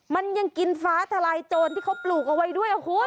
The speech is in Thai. มันยังกินฟ้าทลายโจรที่เขาปลูกเอาไว้ด้วยคุณ